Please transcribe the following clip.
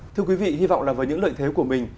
thưa quý vị hy vọng là với những lợi thế của mình